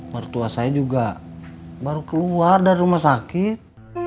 mertua saya juga baru keluar dari rumah sakit